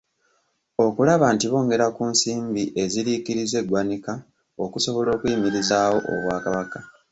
Okulaba nti bongera ku nsimbi eziriikiriza eggwanika okusobola okuyimirizaawo Obwakabaka.